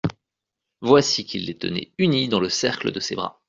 Voici qu'il les tenait unies dans le cercle de ses bras.